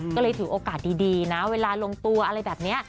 ก็เลยถือโอกาสดีนะเวลาลงตัวอะไรแบบนี้